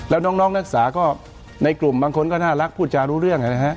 แล้วน้องนักศึกษาก็ในกลุ่มบางคนก็น่ารักพูดจารู้เรื่องนะฮะ